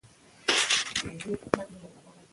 د تاریخ لوستل د بصیرت نښه ده.